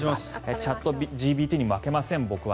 チャットＧＰＴに負けません僕は。